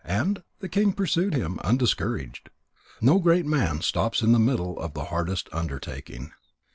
And the king pursued him, undiscouraged. No great man stops in the middle of the hardest undertaking.